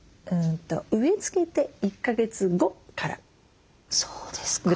植え付けて１か月後からぐらいです。